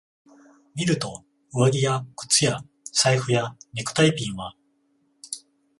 見ると、上着や靴や財布やネクタイピンは、